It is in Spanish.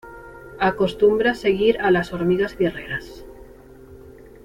Acostumbra seguir a las hormigas guerreras.